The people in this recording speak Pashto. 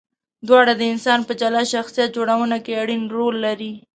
دواړه د انسان په جلا شخصیت جوړونه کې اړین رول لري.